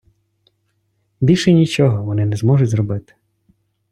Більше нічого вони не зможуть зробити.